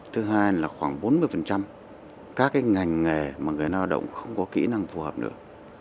thứ hai là khoảng bốn mươi các ngành nghề mà người lao động không có kỹ năng phù hợp nữa